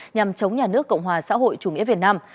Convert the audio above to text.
nhằm chống nhà nước cộng hòa xã hội chủ nghĩa việt nam